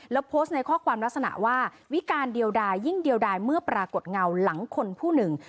แล้วโพสต์ในข้อความลักษณะว่าวิการเดียวดายยิ่งเดียวดายเมื่อปรากฏเงาหลังคนผู้หนึ่ง